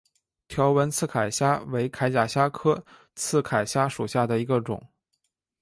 条纹刺铠虾为铠甲虾科刺铠虾属下的一个种。